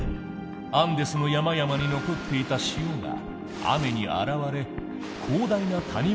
アンデスの山々に残っていた塩が雨に洗われ広大な谷間に流れ込んだ。